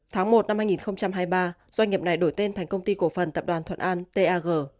tháng một năm hai nghìn hai mươi ba doanh nghiệp này đổi tên thành công ty cổ phần tập đoàn thuận an tag